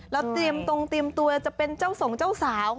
แล้วเตรียมตรงเตรียมตัวจะเป็นเจ้าส่งเจ้าสาว